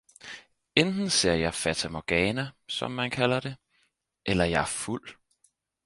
Enten ser jeg fata morgana, som man kalder det, eller jeg er fuld